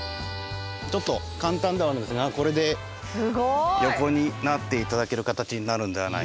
ちょっと簡単ではあるんですがこれで横になって頂ける形になるんではないかと。